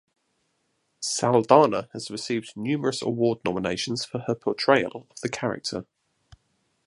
Saldana has received numerous award nominations for her portrayal of the character.